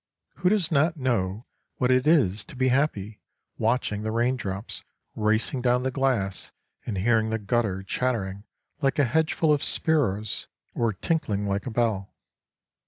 Who does not know what it is to be happy watching the rain drops racing down the glass and hearing the gutter chattering like a hedgeful of sparrows or tinkling like a bell?